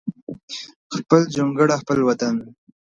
خپل جونګړه خپل وطن